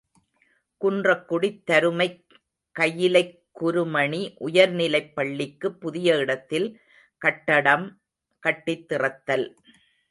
● குன்றக்குடித் தருமைக் கயிலைக் குருமணி உயர்நிலைப் பள்ளிக்குப் புதிய இடத்தில் கட்டடம் கட்டித் திறத்தல்.